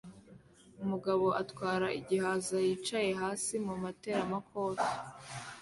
Umugabo atwara igihaza yicaye hasi mu bateramakofe be